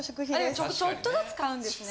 ・ちょっとずつ買うんですね・